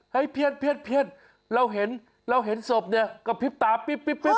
ให้เพี้ยนเราเห็นเราเห็นศพเนี่ยกระพริบตาปิ๊บ